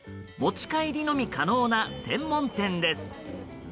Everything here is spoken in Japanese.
持ち帰りのみ可能な専門店です。